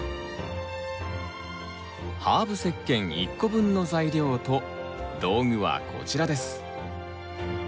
ハーブ石けん１個分の材料と道具はこちらです。